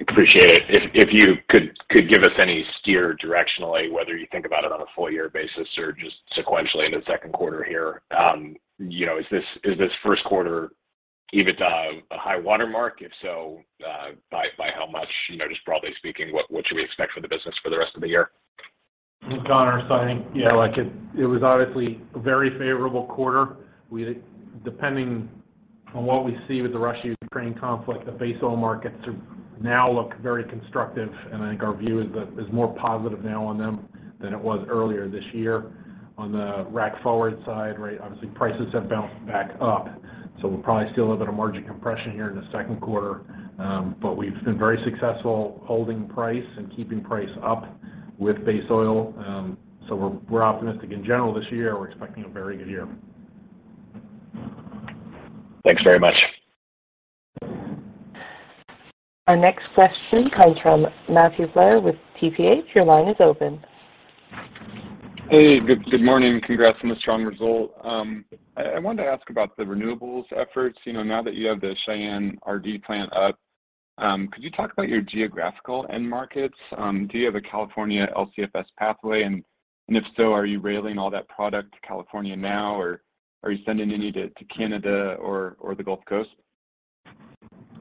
Appreciate it. If you could give us any steer directionally, whether you think about it on a full year basis or just sequentially in the second quarter here. You know, is this first quarter even a high watermark? If so, by how much? You know, just broadly speaking, what should we expect for the business for the rest of the year? Connor, I think, yeah, like, it was obviously a very favorable quarter. Depending on what we see with the Russia-Ukraine conflict, the base oil markets now look very constructive, and I think our view is that it's more positive now on them than it was earlier this year. On the Rack Forward side, right, obviously, prices have bounced back up, we'll probably see a little bit of margin compression here in the second quarter. We've been very successful holding price and keeping price up with base-oil. We're optimistic in general this year. We're expecting a very good year. Thanks very much. Our next question comes from Matthew Blair with TPH. Your line is open. Hey. Good morning. Congrats on the strong result. I wanted to ask about the renewables efforts. You know, now that you have the Cheyenne RDU plant up, could you talk about your geographical end markets? Do you have a California LCFS pathway? If so, are you railing all that product to California now, or are you sending any to Canada or the Gulf Coast?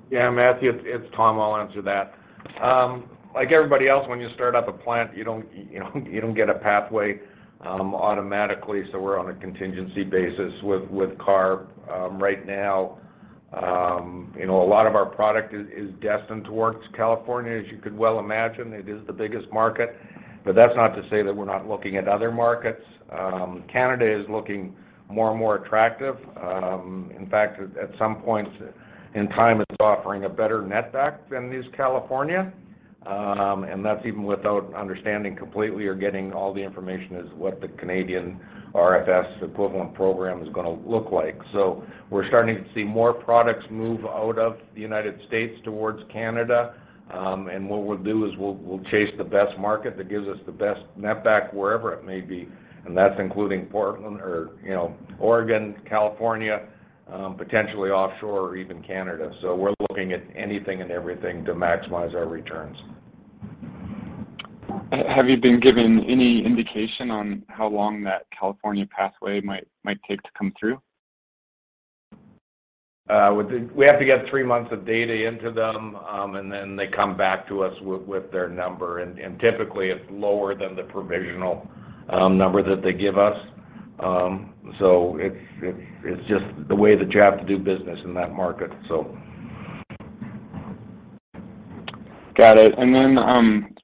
Yeah, Matthew, it's Tom. I'll answer that. Like everybody else, when you start up a plant, you don't get a pathway automatically, so we're on a contingency basis with CARB. Right now, you know, a lot of our product is destined towards California. As you could well imagine, it is the biggest market. That's not to say that we're not looking at other markets. Canada is looking more and more attractive. In fact, at some points in time it's offering a better net back than is California, and that's even without understanding completely or getting all the information as what the Canadian RFS equivalent program is gonna look like. We're starting to see more products move out of the United States towards Canada, and what we'll do is we'll chase the best market that gives us the best net back wherever it may be, and that's including Portland or, you know, Oregon, California, potentially offshore or even Canada. We're looking at anything and everything to maximize our returns. Have you been given any indication on how long that California pathway might take to come through? We have to get three months of data into them, and then they come back to us with their number. Typically, it's lower than the provisional number that they give us. It's just the way that you have to do business in that market. Got it.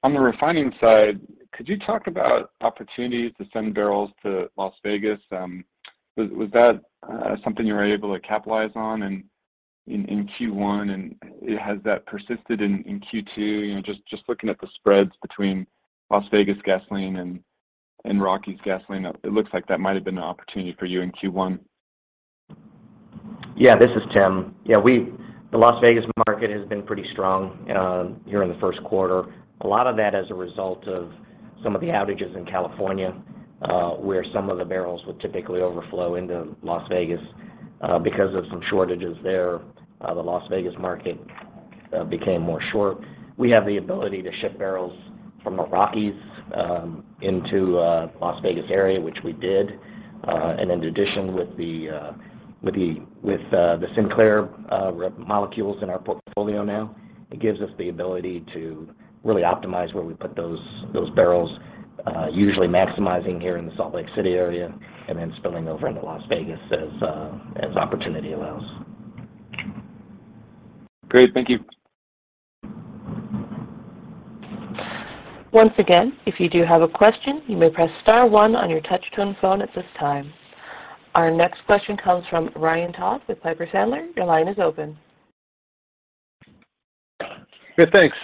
On the Refining side, could you talk about opportunities to send barrels to Las Vegas? Was that something you were able to capitalize on in Q1? Has that persisted in Q2? You know, just looking at the spreads between Las Vegas gasoline and Rockies gasoline, it looks like that might've been an opportunity for you in Q1. This is Tim. The Las Vegas market has been pretty strong here in the first quarter. A lot of that as a result of some of the outages in California, where some of the barrels would typically overflow into Las Vegas. Because of some shortages there, the Las Vegas market became more short. We have the ability to ship barrels from the Rockies into Las Vegas area, which we did. In addition, with the Sinclair molecules in our portfolio now, it gives us the ability to really optimize where we put those barrels. Usually maximizing here in the Salt Lake City area and then spilling over into Las Vegas as opportunity allows. Great. Thank you. Once again, if you do have a question, you may press star one on your touch-tone phone at this time. Our next question comes from Ryan Todd with Piper Sandler. Your line is open. Good. Thanks.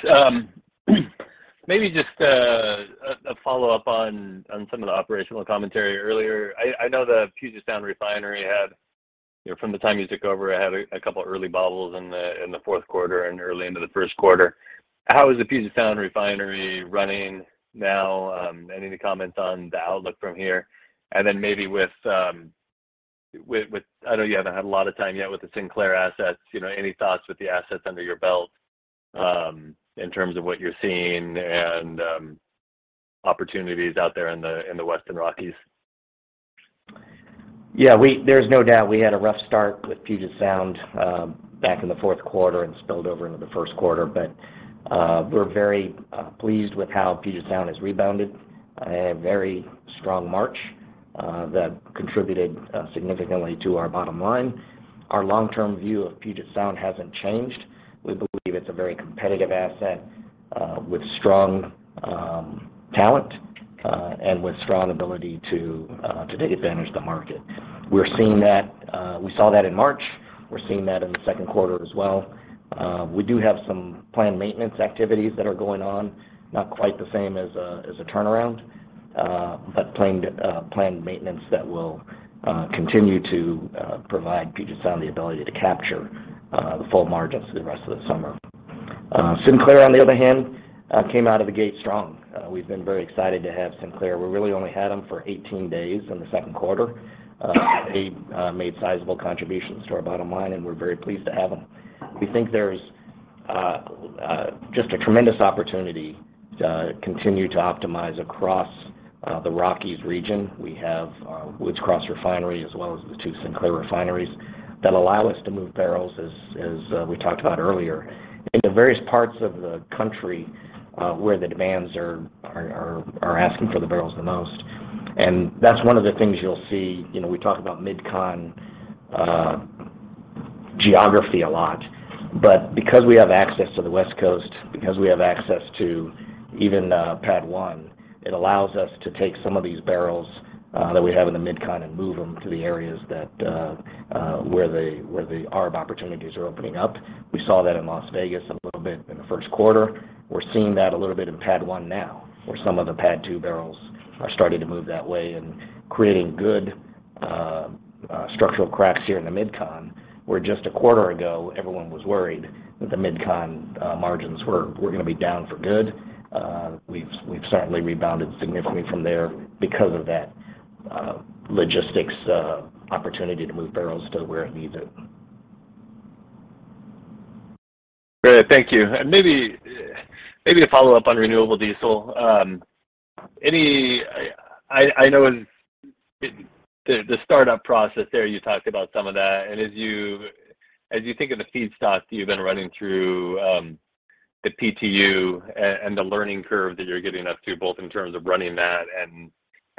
Maybe just a follow-up on some of the operational commentary earlier. I know the Puget Sound Refinery had, you know, from the time you took over, had a couple early bobbles in the fourth quarter and early into the first quarter. How is the Puget Sound Refinery running now? Any comments on the outlook from here? Maybe with, I know you haven't had a lot of time yet with the Sinclair assets. You know, any thoughts with the assets under your belt, in terms of what you're seeing and opportunities out there in the Western Rockies? Yeah. There's no doubt we had a rough start with Puget Sound back in the fourth quarter and spilled over into the first quarter. We're very pleased with how Puget Sound has rebounded. A very strong March that contributed significantly to our bottom line. Our long-term view of Puget Sound hasn't changed. We believe it's a very competitive asset with strong talent and with strong ability to take advantage of the market. We saw that in March. We're seeing that in the second quarter as well. We do have some planned maintenance activities that are going on, not quite the same as a turnaround, but planned maintenance that will continue to provide Puget Sound the ability to capture the full margins for the rest of the summer. Sinclair on the other hand came out of the gate strong. We've been very excited to have Sinclair. We really only had them for 18 days in the second quarter. They made sizable contributions to our bottom line, and we're very pleased to have them. We think there's just a tremendous opportunity to continue to optimize across the Rockies region. We have Woods Cross Refinery as well as the two Sinclair refineries that allow us to move barrels as we talked about earlier. In the various parts of the country where the demands are asking for the barrels the most. That's one of the things you'll see. You know, we talk about MidCon geography a lot. Because we have access to the West Coast, because we have access to even PADD 1, it allows us to take some of these barrels that we have in the MidCon and move them to the areas where the ARB opportunities are opening up. We saw that in Las Vegas a little bit in the first quarter. We're seeing that a little bit in PADD 1 now, where some of the PADD 2 barrels are starting to move that way and creating good structural cracks here in the MidCon, where just a quarter ago, everyone was worried that the MidCon margins were gonna be down for good. We've certainly rebounded significantly from there because of that logistics opportunity to move barrels to where it needs it. Great. Thank you. Maybe to follow up on renewable diesel. I know in the startup process there, you talked about some of that. As you think of the feedstock you've been running through the PTU and the learning curve that you're getting up to, both in terms of running that and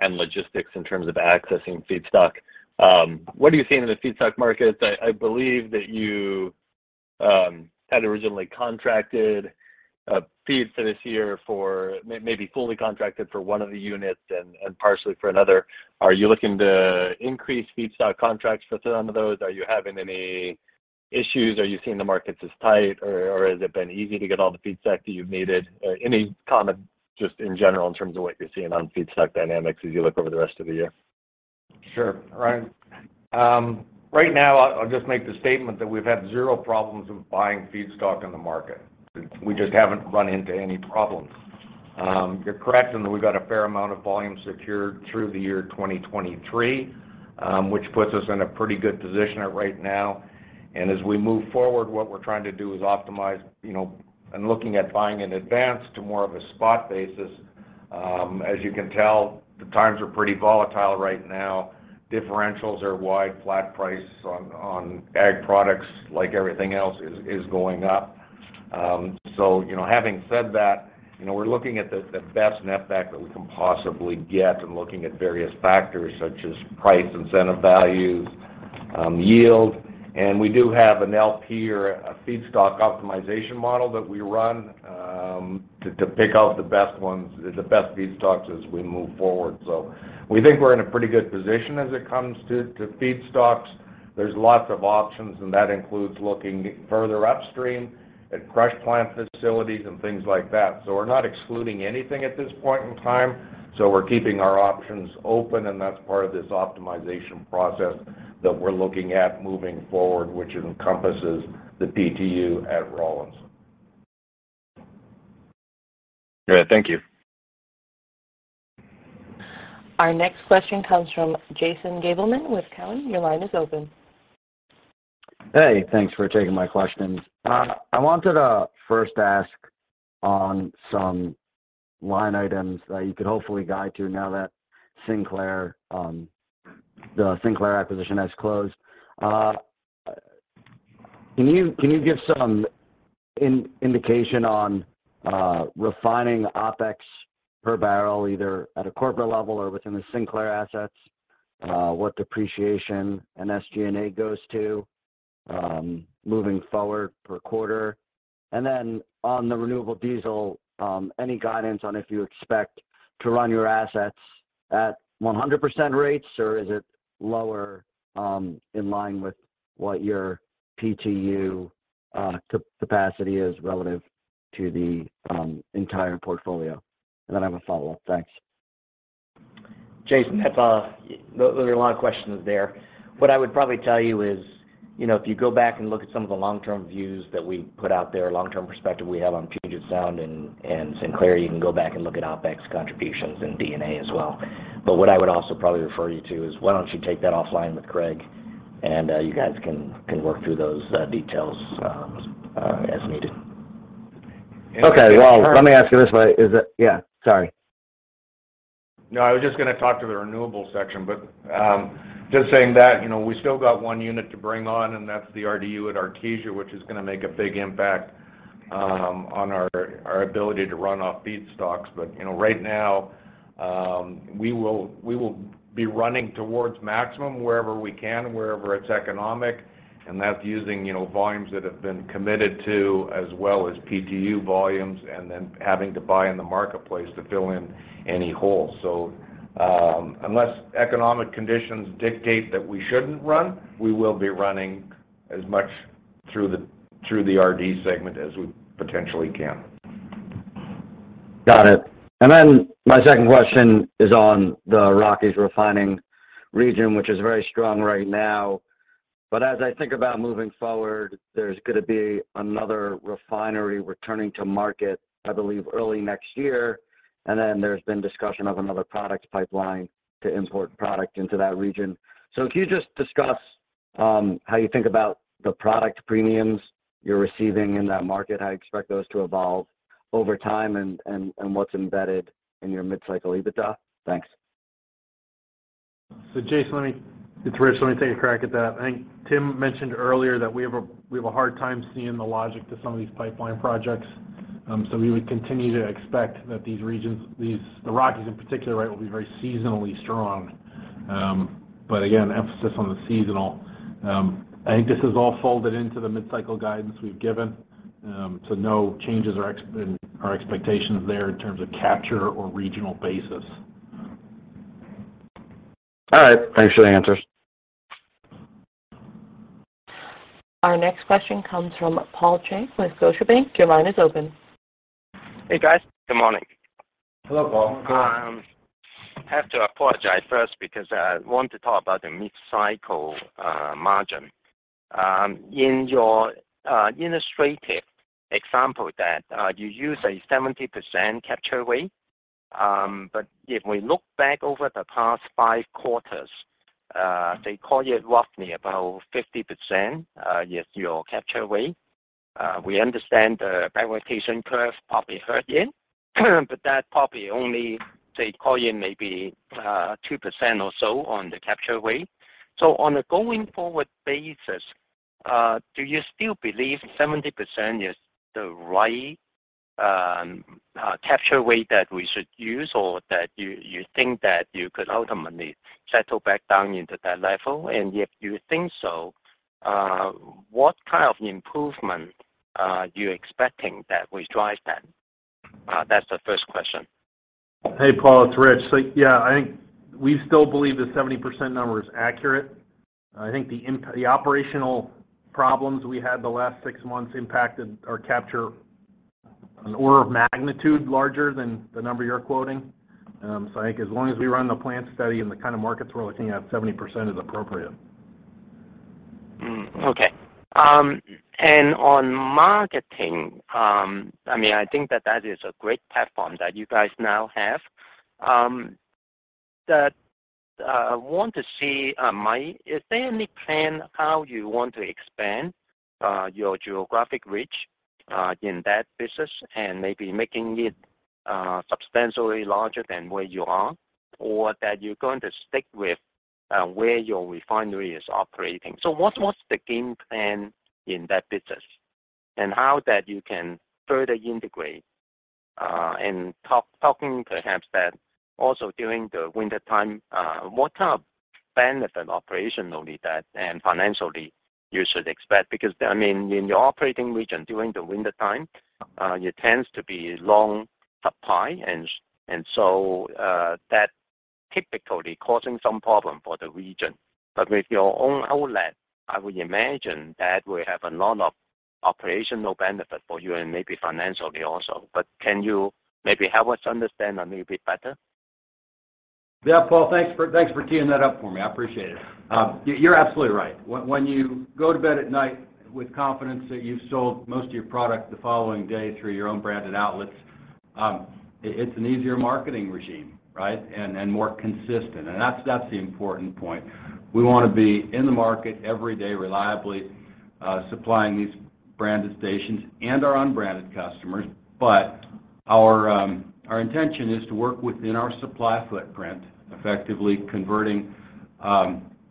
logistics in terms of accessing feedstock, what are you seeing in the feedstock markets? I believe that you had originally contracted feeds for this year for maybe fully contracted for one of the units and partially for another. Are you looking to increase feedstock contracts for some of those? Are you having any issues? Are you seeing the markets as tight or has it been easy to get all the feedstock that you've needed? Any comment just in general in terms of what you're seeing on feedstock dynamics as you look over the rest of the year? Sure. Ryan. Right now I'll just make the statement that we've had zero problems with buying feedstock in the market. We just haven't run into any problems. You're correct in that we've got a fair amount of volume secured through the year 2023, which puts us in a pretty good position right now. As we move forward, what we're trying to do is optimize, you know, and looking at buying in advance to more of a spot basis. As you can tell, the times are pretty volatile right now. Differentials are wide. Flat price on ag products, like everything else, is going up. So, you know, having said that, you know, we're looking at the best net back that we can possibly get and looking at various factors such as price, incentive values, yield. We do have an LP or a feedstock optimization model that we run to pick out the best ones, the best feedstocks as we move forward. We think we're in a pretty good position as it comes to feedstocks. There's lots of options, and that includes looking further upstream at crush plant facilities and things like that. We're not excluding anything at this point in time. We're keeping our options open, and that's part of this optimization process that we're looking at moving forward, which encompasses the PTU at Rawlins. Great. Thank you. Our next question comes from Jason Gabelman with Cowen. Your line is open. Hey, thanks for taking my questions. I wanted to first ask on some line items that you could hopefully guide to now that the Sinclair acquisition has closed. Can you give some indication on refining OpEx per barrel, either at a corporate level or within the Sinclair assets? What depreciation and SG&A is going to be moving forward per quarter? On the renewable diesel, any guidance on if you expect to run your assets at 100% rates, or is it lower, in line with what your PTU capacity is relative to the entire portfolio? I have a follow-up. Thanks. Jason Gabelman, that's there are a lot of questions there. What I would probably tell you is, you know, if you go back and look at some of the long-term views that we put out there, long-term perspective we have on Puget Sound and Sinclair, you can go back and look at OpEx contributions and D&A as well. What I would also probably refer you to is why don't you take that offline with Craig, and you guys can work through those details as needed. Okay. Well, let me ask you this way. Yeah, sorry. No, I was just gonna talk to the Renewable section, but just saying that, you know, we still got one unit to bring on, and that's the RDU at Artesia, which is gonna make a big impact on our ability to run off feedstocks. You know, right now, we will be running towards maximum wherever we can, wherever it's economic, and that's using, you know, volumes that have been committed to, as well as PTU volumes, and then having to buy in the marketplace to fill in any holes. Unless economic conditions dictate that we shouldn't run, we will be running as much through the RD segment as we potentially can. Got it. My second question is on the Rockies refining region, which is very strong right now. As I think about moving forward, there's gonna be another refinery returning to market, I believe, early next year. There's been discussion of another products pipeline to import product into that region. If you just discuss how you think about the product premiums you're receiving in that market, how you expect those to evolve over time, and what's embedded in your mid-cycle EBITDA? Thanks. Jason, let me, it's Rich. Let me take a crack at that. I think Tim mentioned earlier that we have a hard time seeing the logic to some of these pipeline projects. We would continue to expect that these regions, the Rockies in particular, right, will be very seasonally strong. But again, emphasis on the seasonal. I think this is all folded into the mid-cycle guidance we've given, so no changes or exceptions in our expectations there in terms of capture or regional basis. All right. Thanks for the answers. Our next question comes from Paul Cheng with Scotiabank. Your line is open. Hey, guys. Good morning. Hello, Paul. Good morning. I have to apologize first because I want to talk about the mid-cycle margin. In your illustrated example that you use a 70% capture rate. But if we look back over the past five quarters, they call it roughly about 50%, your capture rate. We understand the renovation curve probably hurt you, but that probably only they call it maybe 2% or so on the capture rate. So on a going forward basis, do you still believe 70% is the right capture rate that we should use or that you think that you could ultimately settle back down into that level? If you think so, what kind of improvement are you expecting that will drive that? That's the first question. Hey, Paul, it's Rich. Yeah, I think we still believe the 70% number is accurate. I think the operational problems we had the last six months impacted our capture an order of magnitude larger than the number you're quoting. I think as long as we run the plant study in the kind of markets we're looking at, 70% is appropriate. Okay. I mean, I think that is a great platform that you guys now have, that I want to see, is there any plan how you want to expand your geographic reach in that business and maybe making it substantially larger than where you are? Or that you're going to stick with where your refinery is operating? What is the game plan in that business, and how you can further integrate, and talking perhaps that also during the wintertime, what kind of benefit operationally that and financially you should expect? Because, I mean, in your operating region during the wintertime, it tends to be long supply and so, that typically causing some problem for the region. With your own outlet, I would imagine that will have a lot of operational benefit for you and maybe financially also. Can you maybe help us understand a little bit better? Yeah, Paul, thanks for teeing that up for me. I appreciate it. You're absolutely right. When you go to bed at night with confidence that you've sold most of your product the following day through your own branded outlets, it's an easier marketing regime, right? More consistent. That's the important point. We wanna be in the market every day, reliably, supplying these branded stations and our unbranded customers. Our intention is to work within our supply footprint, effectively converting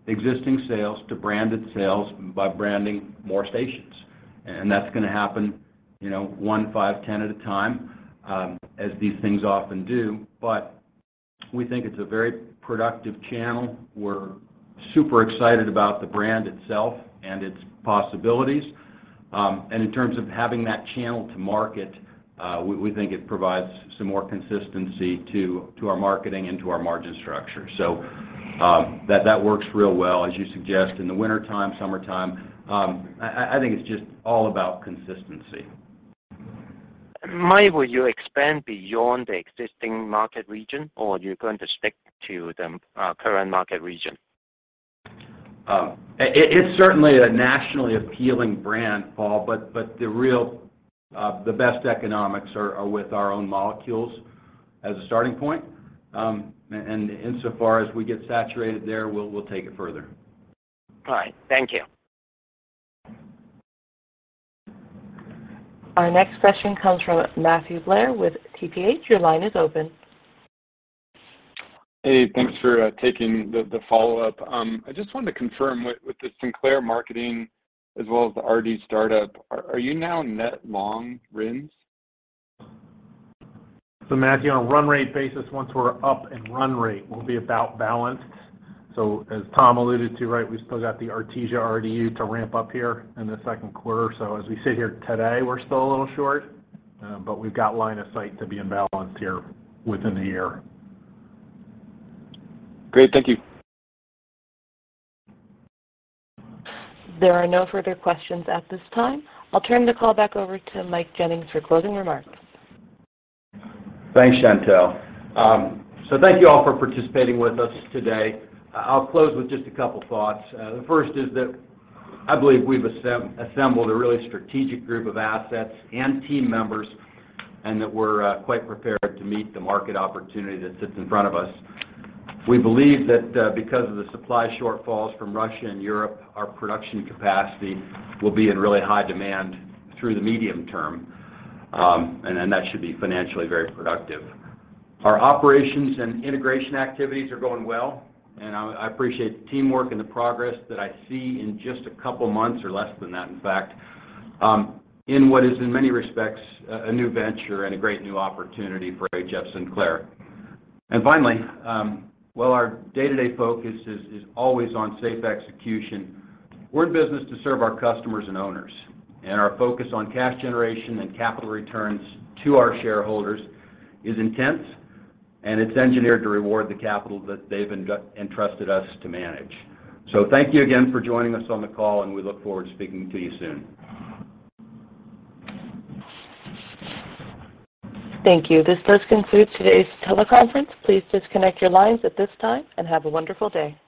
existing sales to branded sales by branding more stations. That's gonna happen, you know, one, five, 10 at a time, as these things often do. We think it's a very productive channel. We're super excited about the brand itself and its possibilities. In terms of having that channel to market, we think it provides some more consistency to our marketing and to our margin structure. That works real well, as you suggest, in the wintertime, summertime. I think it's just all about consistency. Will you expand beyond the existing market region or you're going to stick to the current market region? It's certainly a nationally appealing brand, Paul, but the best economics are with our own molecules as a starting point. Insofar as we get saturated there, we'll take it further. All right. Thank you. Our next question comes from Matthew Blair with TPH. Your line is open. Hey, thanks for taking the follow-up. I just wanted to confirm with the Sinclair marketing as well as the RDU startup, are you now net long RINs? Matthew, on a run rate basis, once we're up and run rate, we'll be about balanced. As Tom alluded to, right, we've still got the Artesia RDU to ramp up here in the second quarter. As we sit here today, we're still a little short, but we've got line of sight to be in balance here within the year. Great. Thank you. There are no further questions at this time. I'll turn the call back over to Mike Jennings for closing remarks. Thanks, Chantelle. Thank you all for participating with us today. I'll close with just a couple thoughts. The first is that I believe we've assembled a really strategic group of assets and team members, and that we're quite prepared to meet the market opportunity that sits in front of us. We believe that because of the supply shortfalls from Russia and Europe, our production capacity will be in really high demand through the medium term, and then that should be financially very productive. Our operations and integration activities are going well, and I appreciate the teamwork and the progress that I see in just a couple months or less than that, in fact, in what is in many respects a new venture and a great new opportunity for HF Sinclair. Finally, while our day-to-day focus is always on safe execution, we're in business to serve our customers and owners, and our focus on cash generation and capital returns to our shareholders is intense, and it's engineered to reward the capital that they've entrusted us to manage. Thank you again for joining us on the call, and we look forward to speaking to you soon. Thank you. This does conclude today's teleconference. Please disconnect your lines at this time, and have a wonderful day.